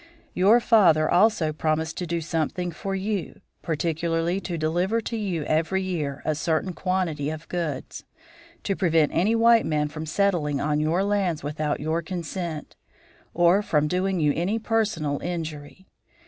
Your father also promised to do something for you, particularly to deliver to you every year a certain quantity of goods, to prevent any white man from settling on your lands without your consent, or from doing you any personal injury.